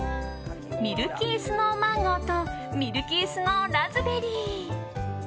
ミルキースノーマンゴーとミルキースノーラズベリー。